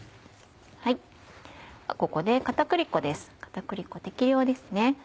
ここで片栗粉です。